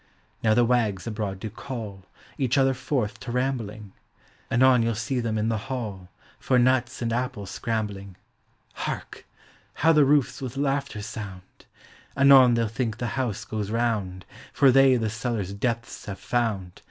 now the wags abroad do call Each other forth to rambling; Anon von '11 see them in the hall, For nuts and apples scrambling. Hark! how the roofs with laughter sound! Anon they'll think the house goes round, For they the cellar's depths have found.